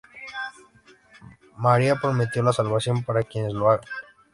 María prometió la salvación para quienes lo hagan"".